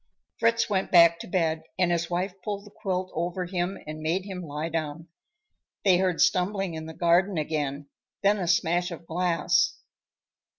Fritz went back to bed and his wife pulled the quilt over him and made him lie down. They heard stumbling in the garden again, then a smash of glass.